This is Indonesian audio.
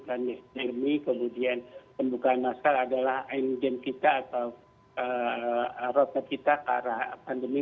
kemudian pembukaan masker adalah endgame kita atau roadmap kita ke arah pandemi